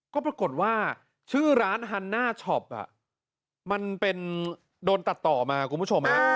ก็ปรากฏว่าชื่อร้านฮันน่าช็อปมันเป็นโดนตัดต่อมาคุณผู้ชมฮะ